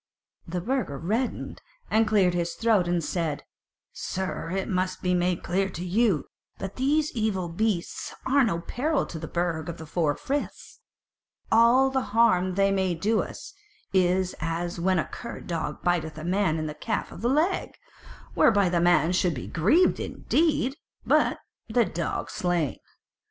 The Burgher reddened and cleared his throat and said: "Sir, it must be made clear to you that these evil beasts are no peril to the Burg of the Four Friths; all the harm they may do us, is as when a cur dog biteth a man in the calf of the leg; whereby the man shall be grieved indeed, but the dog slain.